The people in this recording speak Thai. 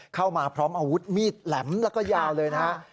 เข้ามาพร้อมอาวุธมีดแหลมแล้วก็ยาวเลยนะฮะ